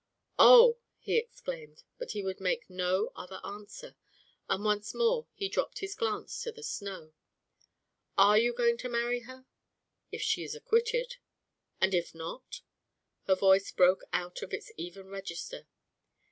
"Oh!" he exclaimed. But he would make no other answer, and once more he dropped his glance to the snow. "Are you going to marry her?" "If she is acquitted." "And if not?" Her voice broke out of its even register.